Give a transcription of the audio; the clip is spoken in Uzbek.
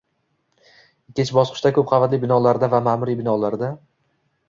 Ikkinchi bosqichda - ko'p qavatli binolarda va ma'muriy binolarda.